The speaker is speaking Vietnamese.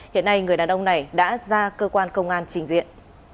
hiện nay người đàn ông này đã ra cơ quan công an trình diện